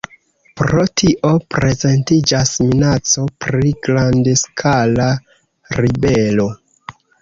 Pro tio prezentiĝas minaco pri grandskala ribelo.